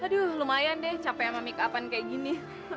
aduh lumayan deh capek sama make up an kayak gini